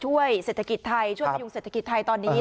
เศรษฐกิจไทยช่วยพยุงเศรษฐกิจไทยตอนนี้